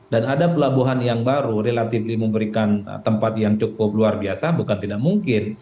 dan ada pelabuhan yang baru relatif memberikan tempat yang cukup luar biasa bukan tidak mungkin